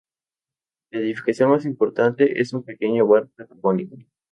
La edificación más importante es un pequeño bar patagónico.